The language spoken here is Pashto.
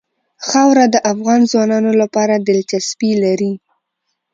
خاوره د افغان ځوانانو لپاره دلچسپي لري.